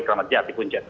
selamat jatuh punca